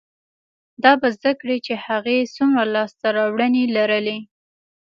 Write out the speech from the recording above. دا به زده کړي چې هغې څومره لاسته راوړنې لرلې،